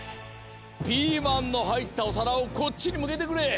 ピーマンのはいったおさらをこっちにむけてくれ。